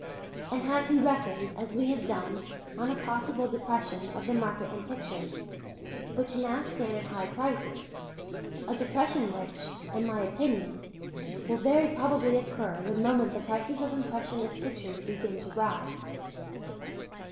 And has he reckoned, as we have done, on a possible depression of the market in pictures which now stand at high prices, a depression which, in my opinion, will very probably occur the moment the prices of impressionist pictures begin to rise.